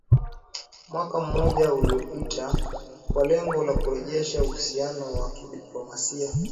mwaka mmoja uliopita kwa lengo la kurejesha uhusiano wa kidiplomasia